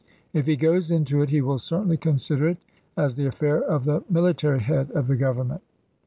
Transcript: If he goes into it he will certainly consider it as the affair of the military head of the Government.